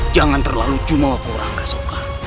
jangan terlalu jumlah kau angga soekar